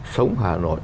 sống hà nội